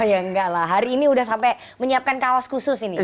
oh ya enggak lah hari ini udah sampai menyiapkan kaos khusus ini